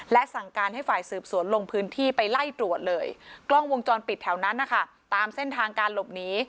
และสั่งการให้ฝ่ายสืบสวนลงพื้นที่ไปไล่ตรวจเลยกล้องวงจรปิดแถวนั้นนะคะตามเส้นทางการหลบหนี